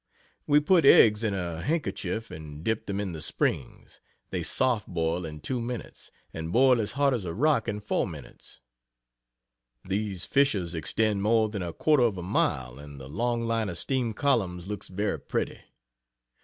We put eggs in a handkerchief and dip them in the springs they "soft boil" in 2 Minutes, and boil as hard as a rock in 4 minutes. These fissures extend more than a quarter of a mile, and the long line of steam columns looks very pretty.